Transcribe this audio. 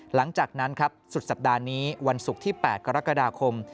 หลังจากนั้นครับสุดสัปดาห์นี้วันศุกร์ที่๘กรกฎาคม